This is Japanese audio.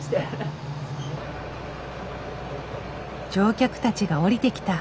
乗客たちが降りてきた。